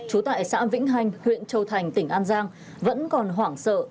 trú tại xã vĩnh hành huyện châu thành tỉnh an giang vẫn còn hoảng sợ